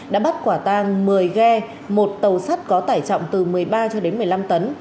đã bắt quả tang một mươi ghe một tàu sắt có tải trọng từ một mươi ba cho đến một mươi năm tấn